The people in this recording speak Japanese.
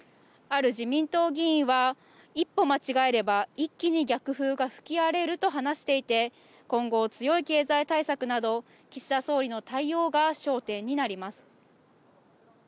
ある自民党議員は「一歩間違えれば一気に逆風が吹き荒れる」と話していて今後、強い経済対策など岸田総理の対応が焦点になります